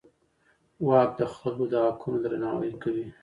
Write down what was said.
واک د خلکو د حقونو درناوی کوي.